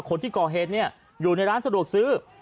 คนที่ก่อเหตุเนี่ยอยู่ในร้านสะดวกซื้อ